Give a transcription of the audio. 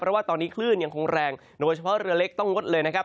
เพราะว่าตอนนี้คลื่นยังคงแรงโดยเฉพาะเรือเล็กต้องงดเลยนะครับ